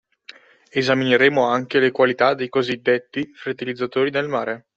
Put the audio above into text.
Esamineremo anche le qualità dei così detti fertilizzatori del mare